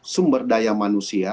sumber daya manusia